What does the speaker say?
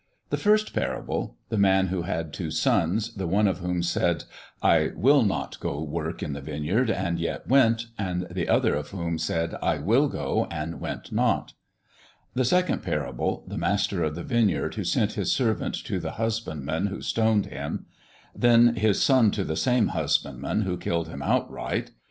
The first parable the man who had two sons, the one of whom said, I will not go work in the vineyard, and yet went; the other of whom said, I will go, and went not. The second parable the master of the vineyard who sent his servant to the husbandmen, who stoned him; then his son to the same husbandmen, who killed him outright.